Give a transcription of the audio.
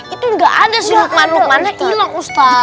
itu nggak ada sih lukman lukmannya ilang ustaz